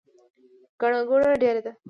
ګڼه ګوڼه ډیره ده